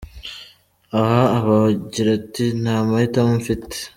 Aho aba agira ati: “Nta mahitamo mfite”.